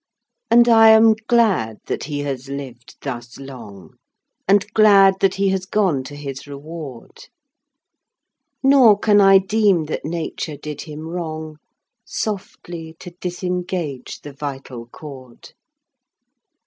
"And I am glad that he has lived thus long, And glad that he has gone to his reward; Nor can I deem that nature did him wrong, Softly to disengage the vital cord.